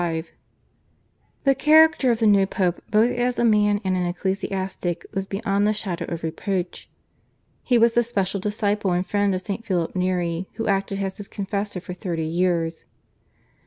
The character of the new Pope both as a man and an ecclesiastic was beyond the shadow of reproach. He was the special disciple and friend of St. Philip Neri who acted as his confessor for thirty years.